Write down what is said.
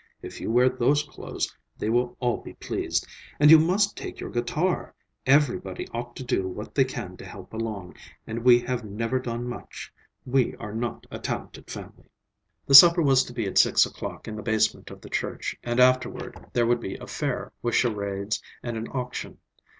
If you wear those clothes, they will all be pleased. And you must take your guitar. Everybody ought to do what they can to help along, and we have never done much. We are not a talented family." The supper was to be at six o'clock, in the basement of the church, and afterward there would be a fair, with charades and an auction.